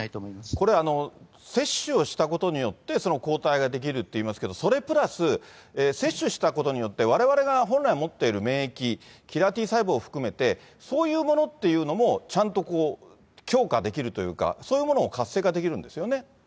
これ、接種をしたことによって、抗体が出来るっていいますけど、それプラス、接種したことによって、われわれが本来持っている免疫、キラーＴ細胞を含めて、そういうものっていうのもちゃんと強化できるというか、そういうものも活性化できるんですよね。